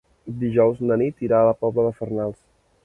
Dijous na Nit irà a la Pobla de Farnals.